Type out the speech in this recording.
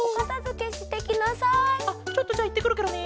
あっちょっとじゃあいってくるケロね。